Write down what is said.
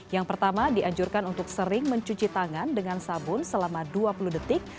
yang pertama dianjurkan untuk sering mencuci tangan dengan sabun selama dua puluh detik